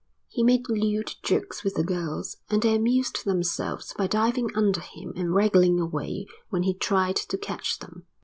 He made lewd jokes with the girls, and they amused themselves by diving under him and wriggling away when he tried to catch them.